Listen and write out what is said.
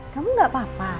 kamu gak apa apa